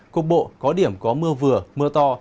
cùng bộ có điểm có mưa vừa mưa to